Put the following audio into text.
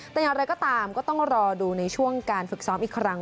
แต่อย่างไรก็ตามก็ต้องรอดูในช่วงการฝึกซ้อมอีกครั้ง